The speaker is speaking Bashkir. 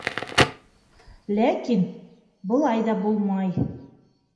Ләкин... былай ҙа булмай.